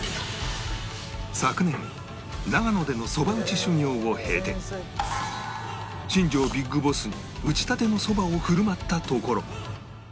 昨年長野でのそば打ち修業を経て新庄 ＢＩＧＢＯＳＳ に打ちたてのそばを振る舞ったところ